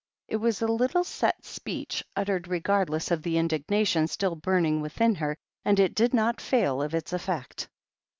It was a little set speech, uttered regardless of the indignation still burning within her, and it did not fail of its effect.